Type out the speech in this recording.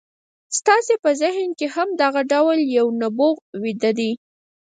ستاسې په ذهن کې هم دغه ډول يو نبوغ ويده دی.